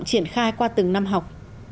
triển khai qua từng năm học